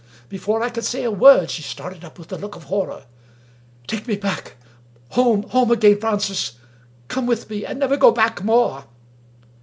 Before I could say a word, she started up with a look of horror. "Take me back! — home, home again, Francis! Come with me, and never go back more!